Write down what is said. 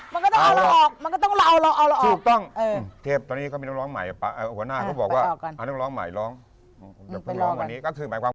มันก็ต้องเอาเราออกมันก็ต้องเอาเราออก